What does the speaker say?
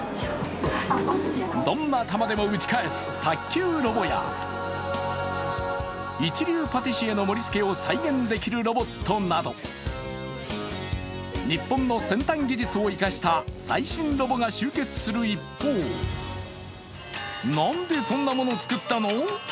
どんな球でも打ち返す卓球ロボや一流パティシエの盛りつけを再現できるロボットなど日本の先端技術を生かした最新ロボが集結する一方なんでそんなものつくったの？